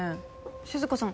静香さん